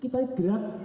kita ini gerak